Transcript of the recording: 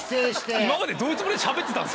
今までどういうつもりでしゃべってたんですか。